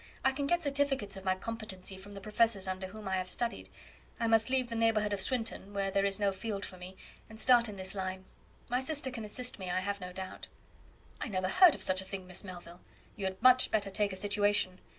I can get certificates of my competency from the professors under whom I have studied. I must leave the neighbourhood of Swinton, where there is no field for me, and start in this line; my sister can assist me, I have no doubt." "I never heard of such a thing, Miss Melville; you had much better take a situation.